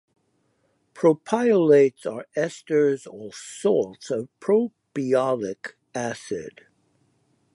Propiolates are esters or salts of propiolic acid.